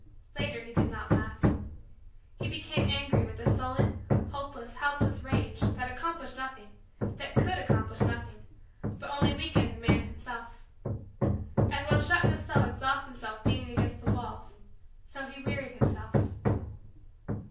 Later he did not laugh. He became angry with a sullen, hopeless, helpless, rage that accomplished nothing that could accomplish nothing but only weakened the man himself. As one shut in a cell exhausts himself beating against the walls, so he wearied himself.